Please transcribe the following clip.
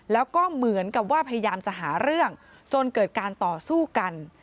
แล้วก็เหมือนกับว่าพยายามจะหาเรื่องจนเกิดการต่อสู้กัน